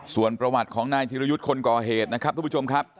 ส่วนประวัติของนายธิรยุทธ์คนก่อเหตุนะครับทุกผู้ชมครับ